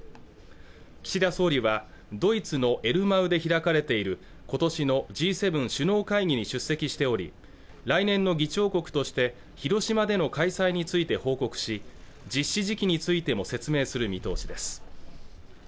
岸田総理はドイツのエルマウで開かれていることしのＧ７首脳会議に出席しており来年の議長国として広島での開催について報告し実施時期についても説明する見通しです